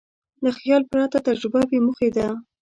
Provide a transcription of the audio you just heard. له خیال پرته تجربه بېموخې ده.